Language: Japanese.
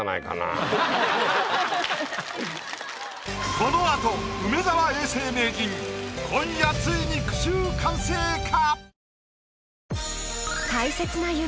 この後梅沢永世名人今夜ついに句集完成か⁉